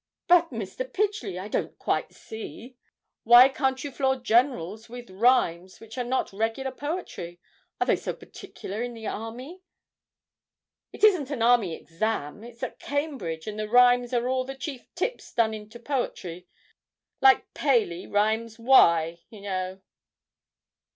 'But, Mr. Pidgely, I don't quite see; why can't you floor generals with rhymes which are not regular poetry? Are they so particular in the army?' 'It isn't an army exam.; it's at Cambridge; and the rhymes are all the chief tips done into poetry like "Paley" rhymes, y' know.